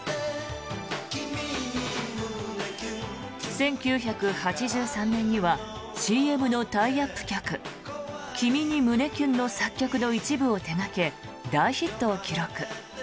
１９８３年にはＣＭのタイアップ曲「君に、胸キュン。」の作曲の一部を手掛け大ヒットを記録。